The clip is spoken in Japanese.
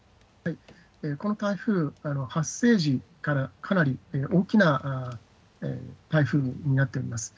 この台風、発生時からかなり大きな台風になっております。